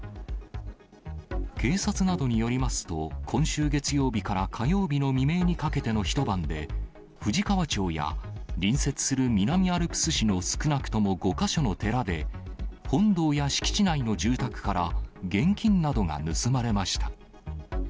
警察などによりますと、今週月曜日から火曜日の未明にかけての一晩で、富士川町や隣接する南アルプス市の少なくとも５か所の寺で、本堂や敷地内の住宅から現金などが盗まれました。